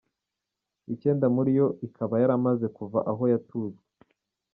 Icyenda muri yo ikaba yaramaze kuva aho yatujwe.